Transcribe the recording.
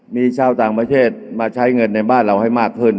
มีชาวต่างประเทศมาใช้เงินในบ้านเราให้มากขึ้น